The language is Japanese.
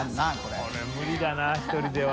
これ無理だな１人では。